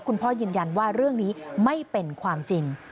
คุณพ่อยืนยันว่าเรื่องนี้ไม่เป็นความจริง